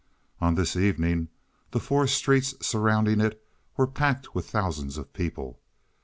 On this evening the four streets surrounding it were packed with thousands of people.